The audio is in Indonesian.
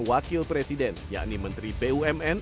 wakil presiden yakni menteri bumn